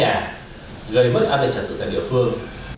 hoặc trực tiếp đến nhà gây mất ăn về trật tự tại địa phương